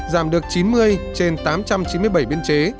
giảm được chín mươi trên tám trăm chín mươi bảy biên chế